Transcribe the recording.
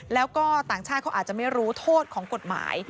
แล้วก็ต่างชาติเขาอาจจะไม่รู้โทษของกฎหมาย